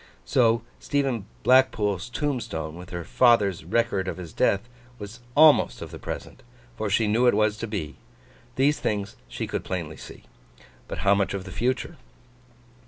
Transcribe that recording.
So, Stephen Blackpool's tombstone, with her father's record of his death, was almost of the Present, for she knew it was to be. These things she could plainly see. But, how much of the Future?